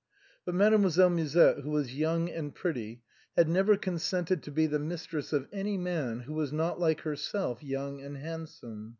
But Mademoiselle Musette, 74 MADEMOISELLE MUSETTE. 75 who was young and pretty, had never consented to be the mistress of any man who was not like herself young and handsome.